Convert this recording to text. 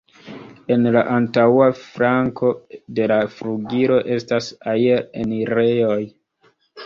En la antaŭa flanko de la flugilo estas aer-enirejoj.